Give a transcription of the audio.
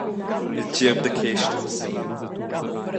Il tgierp da Cristus.